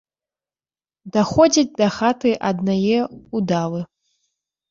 Даходзяць да хаты аднае ўдавы.